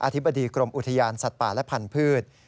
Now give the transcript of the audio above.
ธิบดีกรมอุทยานสัตว์ป่าและพันธุ์